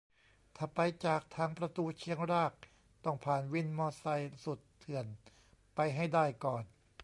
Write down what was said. ถ้าไปจากทางประตูเชียงรากต้องผ่านวินมอไซค์สุดเถื่อนไปให้ได้ก่อน